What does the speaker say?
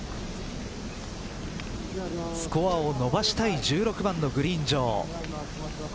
スコアを伸ばしたい１６番のグリーン上。